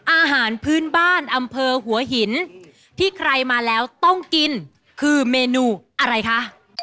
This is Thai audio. อาหารพื้นบ้านอำเภอหัวหินที่ใครมาแล้วต้องกินคือเมนูอะไรคะ